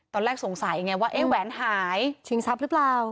ตอนแรกสงสัยไงว่าเอ๊ะแหวนหายชิงทรัพย์หรือเปล่า